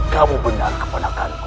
kamu benar kependahkanku